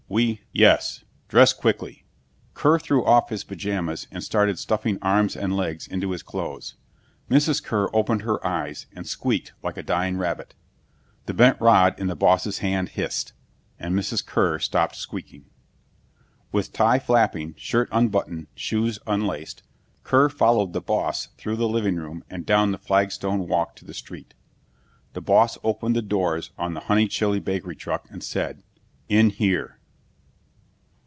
We " "Yes. Dress quickly." Kear threw off his pajamas and started stuffing arms and legs into his clothes. Mrs. Kear opened her eyes and squeaked like a dying rabbit. The bent rod in the boss's hand hissed, and Mrs. Kear stopped squeaking. With tie flapping, shirt unbuttoned, shoes unlaced, Kear followed the boss through the living room and down the flagstone walk to the street. The boss opened the doors of the Honeychile Bakery truck and said, "In here."